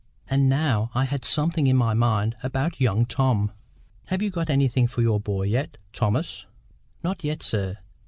And now I had something in my mind about young Tom. "Have you got anything for your boy yet, Thomas?" "Not yet, sir.